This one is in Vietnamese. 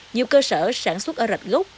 nhiều cơ sở sản xuất ở rạch gốc